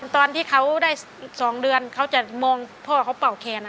ตอนที่เขาได้๒เดือนเขาจะมองพ่อเขาเป่าแคน